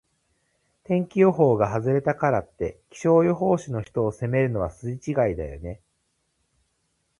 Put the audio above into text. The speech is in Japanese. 天気予報が外れたからって、気象予報士の人を責めるのは筋違いだよね。